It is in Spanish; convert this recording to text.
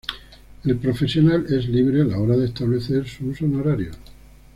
El profesional es libre a la hora de establecer sus honorarios.